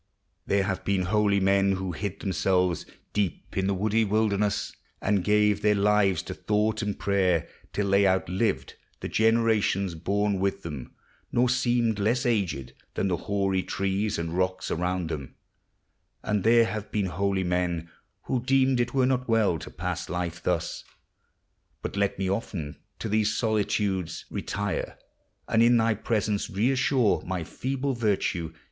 •r There have been holy men who hid themselves Deep in the woody wilderness, and gave Their lives to thought and prayer, till they out lived The generation born with them, nor seemed Less aged than the hoary trees and rocks Around them; — and there have been holy men Who deemed it were not well to pass life thus. But let me often to these solitudes Retire, and in thy presence reassure My feeble virtue.